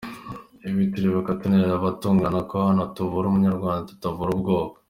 Ubu turibuka tunereka abatugana ko hano tuvura Umunyarwanda tutavura ubwoko”.